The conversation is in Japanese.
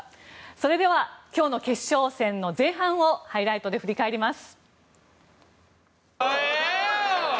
それでは今日の決勝戦の前半をハイライトで振り返ります。